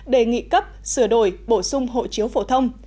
đề nghị cấp sửa đổi bổ sung hộ chiếu phổ thông